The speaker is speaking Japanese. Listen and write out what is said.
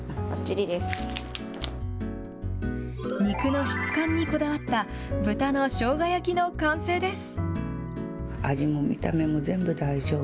肉の質感にこだわった、豚のしょうが焼きの完成です。